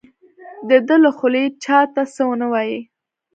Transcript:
د ده له خولې چا ته څه ونه وایي.